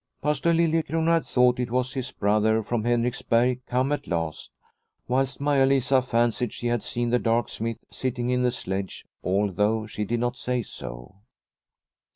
Pastor Liliecrona had thought it was his brother from Henriksberg come at last, whilst Maia Lisa fancied she had seen the dark smith sitting in the sledge although she did not say so.